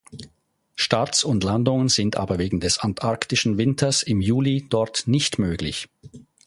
Starts und Landungen sind aber wegen des antarktischen Winters im Juli dort nicht möglich.